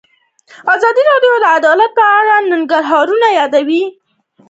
ازادي راډیو د عدالت په اړه د ننګونو یادونه کړې.